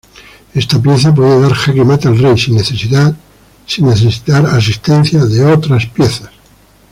Esta pieza puede dar jaque mate al Rey sin necesitar asistencia de otras piezas.